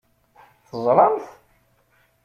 Teẓṛamt?